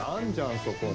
そこに。